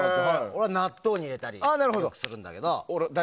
俺は納豆に入れたりするけど。